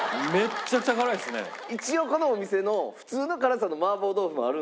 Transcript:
一応このお店の普通の辛さの麻婆豆腐もあるんですね？